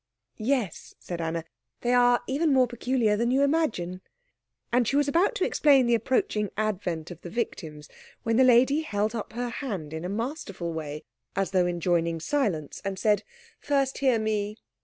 "Yes," said Anna, "they are even more peculiar than you imagine " And she was about to explain the approaching advent of the victims, when the lady held up her hand in a masterful way, as though enjoining silence, and said, "First hear me.